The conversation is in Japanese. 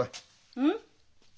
うん？